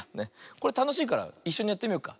これたのしいからいっしょにやってみようか。